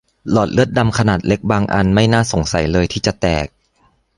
หลอดเลือดดำขนาดเล็กบางอันไม่น่าสงสัยเลยที่จะแตก